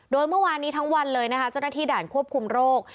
โดยเมื่อวานนี้ทั้งวันเลยนะคะเจ้าหน้าที่ด่านควบคุมโรค